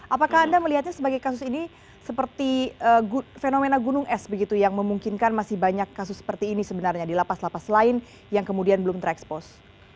apakah anda melihatnya sebagai kasus ini seperti fenomena gunung es begitu yang memungkinkan masih banyak kasus seperti ini sebenarnya di lapas lapas lain yang kemudian belum terekspos